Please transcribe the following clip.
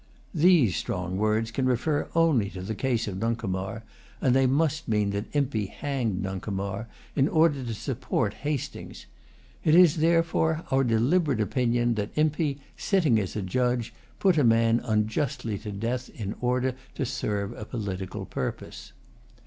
These strong words can refer only to the case of Nuncomar; and they must mean that Impey hanged Nuncomar in order to support Hastings. It is, therefore, our deliberate opinion that Impey, sitting as a judge, put a man unjustly to death in order to serve a political purpose.